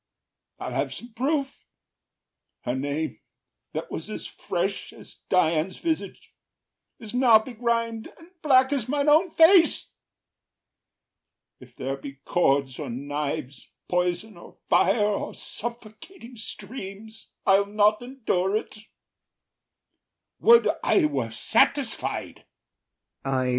I’ll have some proof: her name, that was as fresh As Dian’s visage, is now begrim’d and black As mine own face. If there be cords or knives, Poison or fire, or suffocating streams, I’ll not endure ’t. Would I were satisfied!